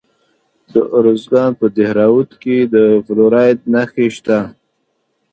د ارزګان په دهراوود کې د فلورایټ نښې شته.